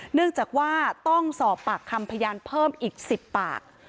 เนื่องจากว่าต้องสอบปากคำพยานเพิ่มอีก๑๐ปาก